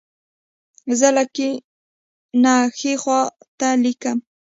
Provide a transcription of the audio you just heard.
زه له کیڼ نه ښي ته لیکم.